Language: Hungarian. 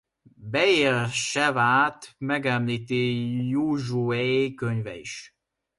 Beér-Sevát megemlíti Józsué könyve is.